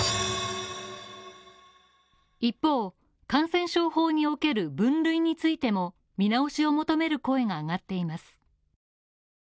一方、感染症法における分類についても見直しを求める声が上がっています。